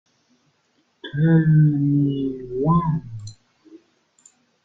Tell me what it is.